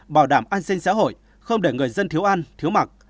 bảo đảm an sinh xã hội không để người dân thiếu ăn thiếu mặc